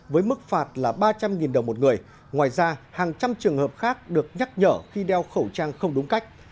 với mức phạt là ba trăm linh đồng một người ngoài ra hàng trăm trường hợp khác được nhắc nhở khi đeo khẩu trang không đúng cách